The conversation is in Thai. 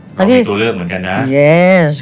ก็เป็นตัวเรื่องเหมือนกันนะ